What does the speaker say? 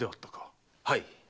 はい。